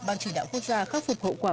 ban chỉ đạo quốc gia khắc phục hậu quả